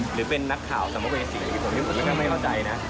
หรือเป็นนักข่าวสมเวสีผมก็ไม่เข้าใจนะ